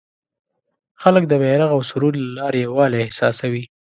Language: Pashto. خلک د بیرغ او سرود له لارې یووالی احساسوي.